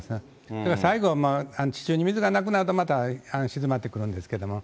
だから最後は地中に水がなくなると、また、静まってくるんですけ